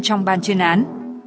trong ban chuyên án